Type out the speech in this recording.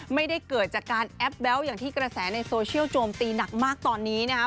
ไม่ได้เกิดจากการแอปแบ๊วอย่างที่กระแสในโซเชียลโจมตีหนักมากตอนนี้นะครับ